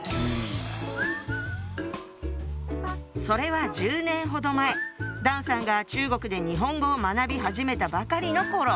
それは１０年ほど前段さんが中国で日本語を学び始めたばかりの頃。